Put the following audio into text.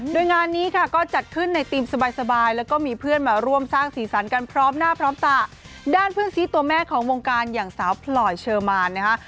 ด้านเพื่อนซีตัวแม่ของวงการอย่างสาวพลอยเชอร์มานนะคะ